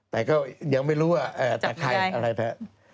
แต่ก็ยังไม่รู้ว่าแต่ใครอะไรเถอะ